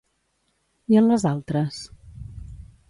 I en les altres?